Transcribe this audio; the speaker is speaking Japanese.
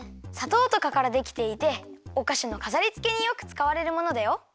さとうとかからできていておかしのかざりつけによくつかわれるものだよ。